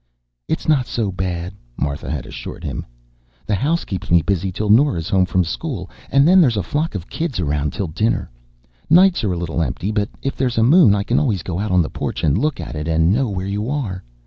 "It's not so bad," Martha had assured him. "The house keeps me busy till Nora's home from school, and then there's a flock of kids around till dinner. Nights are a little empty, but if there's a moon, I can always go out on the porch and look at it and know where you are.